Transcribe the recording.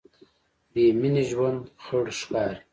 بېمینې ژوند خړ ښکاري.